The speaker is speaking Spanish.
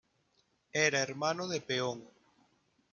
Era hermano de Peón.